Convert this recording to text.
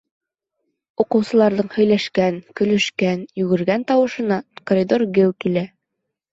Уҡыусыларҙың һөйләшкән, көлөшкән, йүгергән тауышына коридор геү килә.